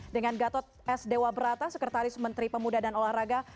dengan gatot s dewa berata sekretaris menteri pemuda dan olahraga